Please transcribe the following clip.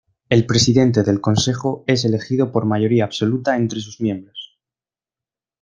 El Presidente del Consejo es elegido por mayoría absoluta entre sus miembros.